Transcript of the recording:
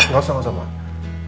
gak usah gak usah mama